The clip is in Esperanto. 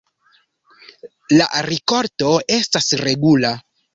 La rikolto estas regula.